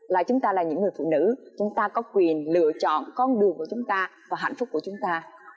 là chúng ta là những người phụ nữ chúng ta có quyền lựa chọn con đường của chúng ta và hạnh phúc của chúng ta